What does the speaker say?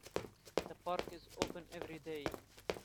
The park is open every day.